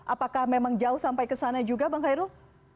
apakah memang jauh sampai ke sana juga bang khairul